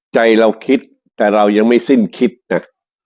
ใจเราคิดแต่เรายังไม่สิ้นคิดนะ